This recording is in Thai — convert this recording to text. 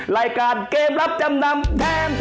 รายการเกมรับจำนำแทน